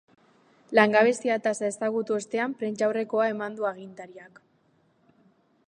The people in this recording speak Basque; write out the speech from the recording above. Langabezia-tasa ezagutu ostean prentsaurrekoa eman du agintariak.